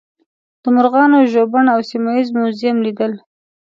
د مرغانو ژوبڼ او سیمه ییز موزیم لیدل.